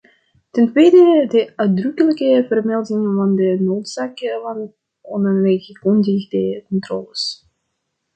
Ten tweede, de uitdrukkelijke vermelding van de noodzaak van onaangekondigde controles.